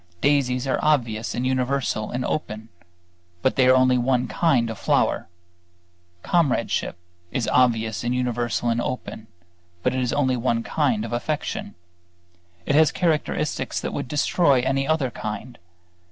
Daisies are obvious and universal and open; but they are only one kind of flower. Comradeship is obvious and universal and open; but it is only one kind of affection; it has characteristics that would destroy any other kind.